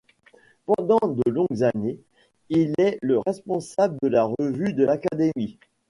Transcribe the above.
Pendant de longues années, il est le responsable de la revue de l’Académie.